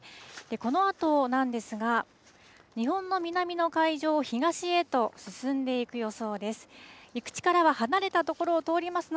このあとなんですが、日本の南の海上を東へと進んでいく予想です。